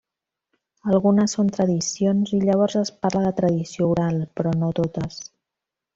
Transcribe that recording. Algunes són tradicions, i llavors es parla de tradició oral, però no totes.